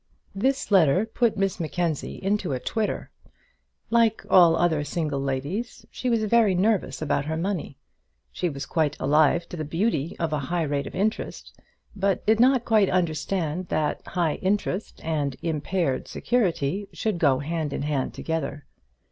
This letter put Miss Mackenzie into a twitter. Like all other single ladies, she was very nervous about her money. She was quite alive to the beauty of a high rate of interest, but did not quite understand that high interest and impaired security should go hand in hand together.